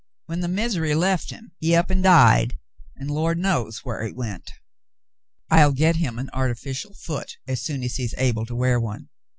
When the misery left him, he up an' died, an' Lord knows whar he went." "I'll get him an artificial foot as soon as he is able to wear one.